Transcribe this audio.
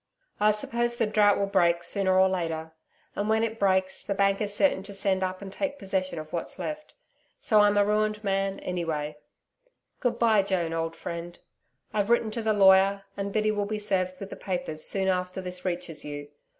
I suppose the drought will break sooner or later, and when it breaks, the Bank is certain to send up and take possession of what's left. So I'm a ruined man, any way. Good bye, Joan, old friend. I've written to the lawyer, and Biddy will be served with the papers soon after this reaches you.